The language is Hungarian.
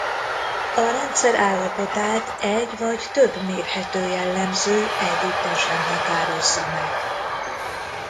A rendszer állapotát egy vagy több mérhető jellemző együttesen határozza meg.